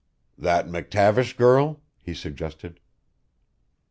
"That McTavish girl?" he suggested.